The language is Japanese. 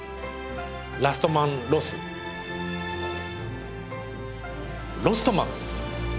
ラストマンロスロストマンですよ